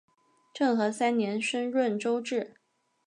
政和三年升润州置。